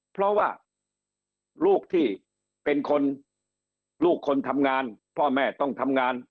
เพราะว่าลูกที่เป็นคนลูกคนทำงานพ่อแม่ต้องทำงาน